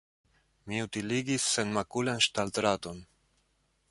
Mi utiligis senmakulan ŝtaldraton.